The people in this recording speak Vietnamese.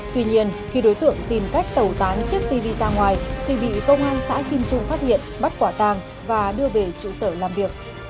tuy nhiên khi đối tượng tìm cách tẩu tán chiếc tv ra ngoài thì bị công an xã kim trung phát hiện bắt quả tàng và đưa về trụ sở làm việc